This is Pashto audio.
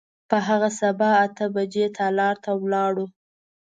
په هغه سبا اته بجې تالار ته ولاړو.